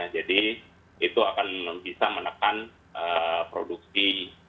jadi itu akan bisa menekan produksi